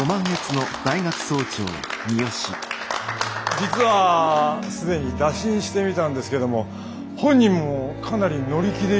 実は既に打診してみたんですけども本人もかなり乗り気でいてくれてるんですよ。